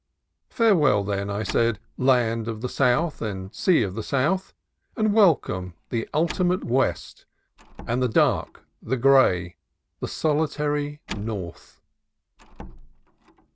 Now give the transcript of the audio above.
Farewell, then, I said, land of the South and sea of the South ; and welcome the ultimate West, and the dark, the gray, the soli tary North.